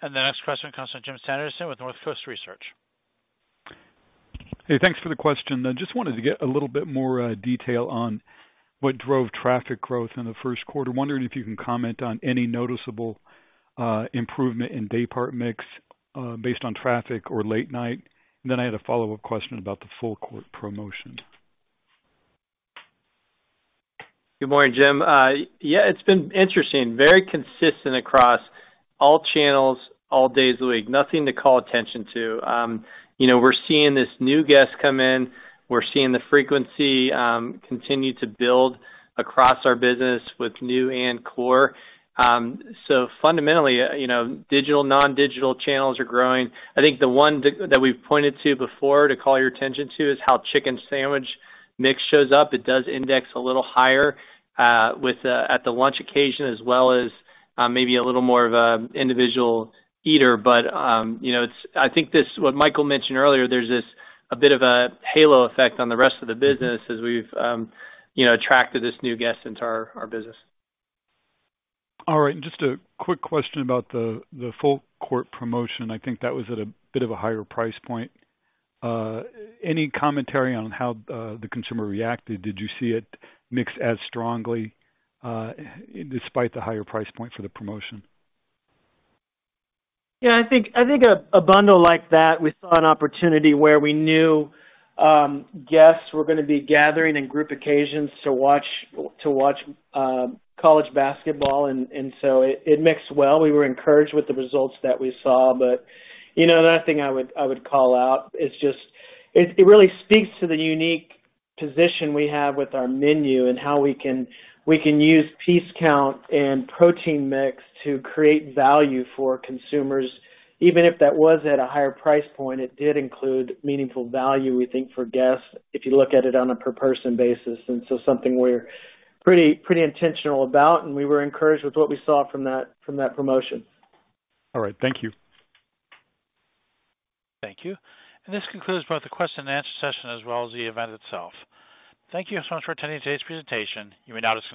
The next question comes from Jim Sanderson with Northcoast Research. Hey, thanks for the question. I just wanted to get a little bit more detail on what drove traffic growth in the first quarter. Wondering if you can comment on any noticeable improvement in daypart mix based on traffic or late night. I had a follow-up question about the Full Court Meal. Good morning, Jim. Yeah, it's been interesting. Very consistent across all channels, all days of the week. Nothing to call attention to. You know, we're seeing this new guest come in. We're seeing the frequency continue to build across our business with new and core. Fundamentally, you know, digital, non-digital channels are growing. I think the one that we've pointed to before to call your attention to is how Chicken Sandwich mix shows up. It does index a little higher with at the lunch occasion as well as maybe a little more of individual eater. You know, it's I think what Michael mentioned earlier, there's this a bit of a halo effect on the rest of the business as we've, you know, attracted this new guest into our business. All right. Just a quick question about the Full Court Meal. I think that was at a bit of a higher price point. Any commentary on how the consumer reacted? Did you see it mix as strongly despite the higher price point for the promotion? I think a bundle like that, we saw an opportunity where we knew guests were gonna be gathering in group occasions to watch college basketball, and so it mixed well. We were encouraged with the results that we saw. You know, nothing I would call out. It really speaks to the unique position we have with our menu and how we can use piece count and protein mix to create value for consumers. Even if that was at a higher price point, it did include meaningful value, we think, for guests, if you look at it on a per person basis. Something we're pretty intentional about, and we were encouraged with what we saw from that promotion. All right. Thank you. Thank you. This concludes both the question-and-answer session as well as the event itself. Thank you so much for attending today's presentation. You may now disconnect.